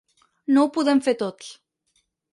No ho podem fer tots.